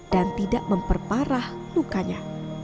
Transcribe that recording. dan tidak memperparah lukanya